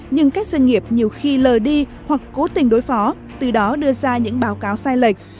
nhưng các doanh nghiệp nhiều khi lờ đi hoặc cố tình đối phó từ đó đưa ra những báo cáo sai lệch